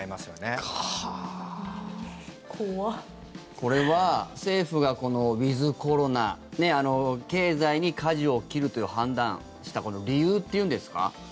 これは政府がウィズコロナ経済にかじを切るという判断をした理由というんですか。